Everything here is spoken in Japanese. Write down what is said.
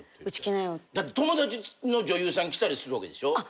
だって友達の女優さん来たりするわけでしょ？